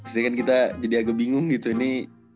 sedangkan kita jadi agak bingung gitu ini